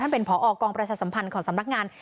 เป็นผอกองประชาสัมพันธ์ของสำนักงาน